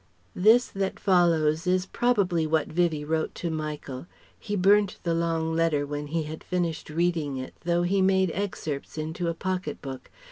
This that follows is probably what Vivie wrote to Michael. He burnt the long letter when he had finished reading it though he made excerpts in a pocket book.